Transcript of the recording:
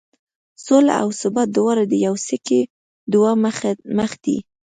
سوله او ثبات دواړه د یوې سکې دوه مخ دي.